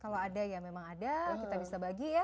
kalau ada ya memang ada kita bisa bagi ya